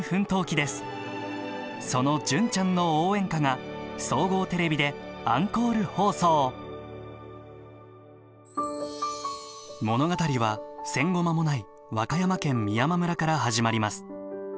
その「純ちゃんの応援歌」が総合テレビでアンコール放送物語は戦後間もない和歌山県美山村から始まります。